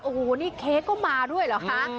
โอ้โหนี่เค้กก็มาด้วยเหรอคะ